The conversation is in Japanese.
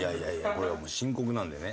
これはもう深刻なんでね。